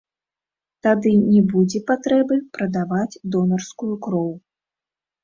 Тады не будзе патрэбы прадаваць донарскую кроў.